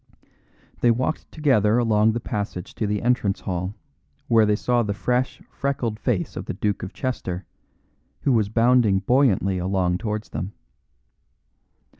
They walked together along the passage to the entrance hall, where they saw the fresh, freckled face of the Duke of Chester, who was bounding buoyantly along towards them.